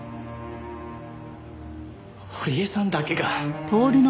堀江さんだけが。